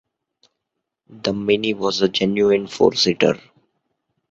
The Mini was a genuine four seater.